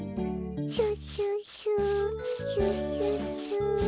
シュッシュッシュシュッシュッシュ。